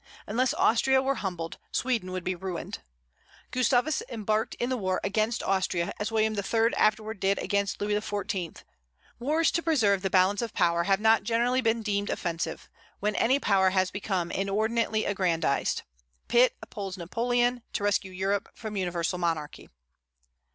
Unless Austria were humbled, Sweden would be ruined. Gustavus embarked in the war against Austria, as William III. afterwards did against Louis XIV. Wars to preserve the "balance of power" have not generally been deemed offensive, when any power has become inordinately aggrandized. Pitt opposed Napoleon, to rescue Europe from universal monarchy.